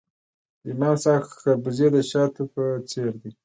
د امام صاحب خربوزې د شاتو په څیر دي.